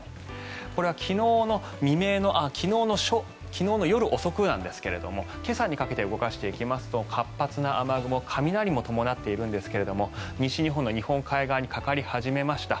これは昨日の夜遅くなんですが今朝にかけて動かしていきますと活発な雨雲雷も伴っているんですけれども西日本の日本海側にかかり始めました。